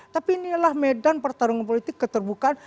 tapi inilah medan pertarungan politik keterbukaan